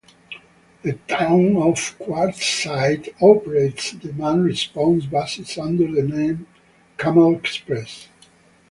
The Town of Quartzsite operates demand response buses under the name Camel Express.